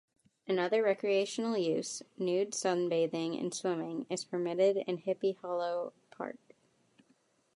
Another recreational use, nude sunbathing and swimming, is permitted in Hippie Hollow Park.